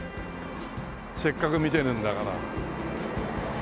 せっかく見てるんだから。